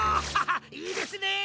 いいですね！